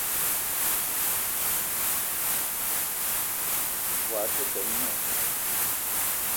Woua te benn ma